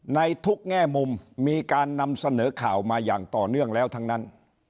ในทุกแง่มุมมีการนำเสนอข่าวมาอย่างต่อเนื่องแล้วทั้งนั้น